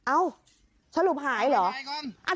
เอ้าสรุปหายเหรอ